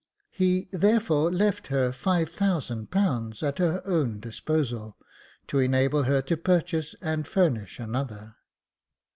He, therefore, left her ^5000 at her own disposal, to enable her to purchase and furnish another."